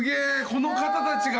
この方たちが。